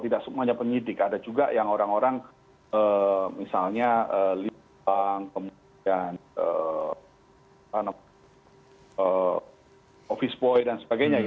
ada penyidik ada juga yang orang orang misalnya lipang kemudian office boy dan sebagainya